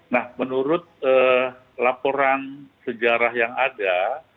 nah menurut laporan sejarah yang ada